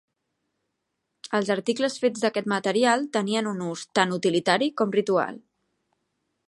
Els articles fets d'aquest material tenien un ús tant utilitari com ritual.